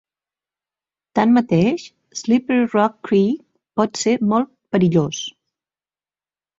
Tanmateix, Slippery Rock Creek pot ser molt perillós.